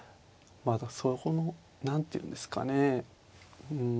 そこの何ていうんですかねうん。